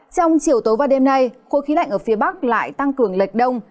trong chiều tối và đêm nay khối khí lạnh ở phía bắc lại tăng cường lệch đông